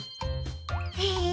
へえ。